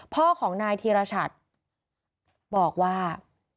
พ่อของนายธิรชัตนิ์บอกว่า